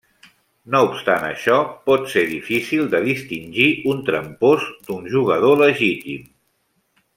No obstant això, pot ser difícil de distingir un trampós d'un jugador legítim.